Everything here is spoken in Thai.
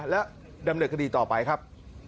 และดำเนินคดีต่อไปครับ